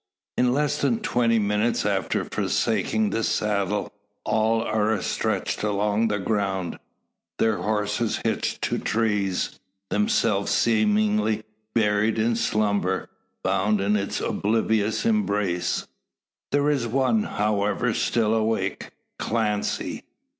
In less than twenty minutes after forsaking the saddle, all are astretch along the ground, their horses "hitched" to trees, themselves seemingly buried in slumber bound in its oblivious embrace. There is one, however, still awake Clancy.